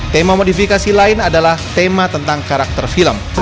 tema modifikasi lain adalah tema tentang karakter film